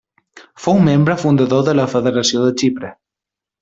Fou membre fundador de la Federació de Xipre.